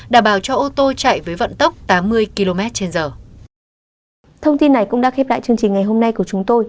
đảm bảo cho ô tô chạy với vận tốc tám mươi km trên giờ